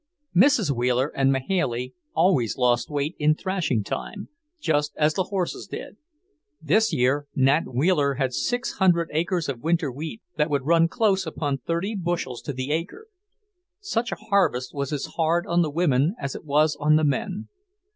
Mrs. Wheeler and Mahailey always lost weight in thrashing time, just as the horses did; this year Nat Wheeler had six hundred acres of winter wheat that would run close upon thirty bushels to the acre. Such a harvest was as hard on the women as it was on the men.